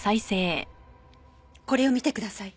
これを見てください。